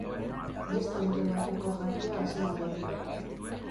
Beste urte bateko jakia aseguratua.